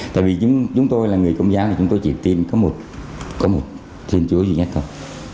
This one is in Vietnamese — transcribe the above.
tại vì chúng tôi là người công giáo thì chúng tôi chỉ tin có một thuyền chúa gì nhất thôi